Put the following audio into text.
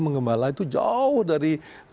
mengembala itu jauh dari